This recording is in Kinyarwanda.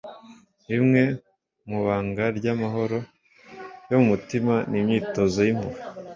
rimwe mu banga ry'amahoro yo mu mutima ni imyitozo y'impuhwe